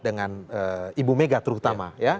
dengan ibu mega terutama